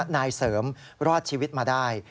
นายเสริมรอดชีวิตมาได้